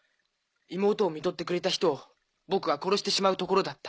妹をみとってくれた人を僕は殺してしまうところだった。